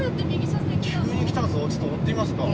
急に来たぞ、ちょっと追ってみますか。